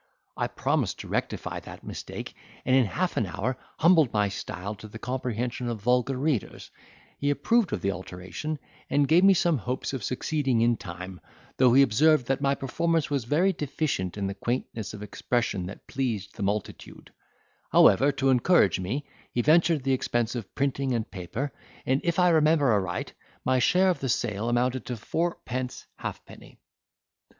I promised to rectify that mistake and in half an hour humbled my style to the comprehension of vulgar readers; he approved of the alteration, and gave me some hopes of succeeding in time, though he observed that my performance was very deficient in the quaintness of expression that pleases the multitude: however, to encourage me, he ventured the expense of printing and paper, and, if I remember aright, my share of the sale amounted to fourpence halfpenny.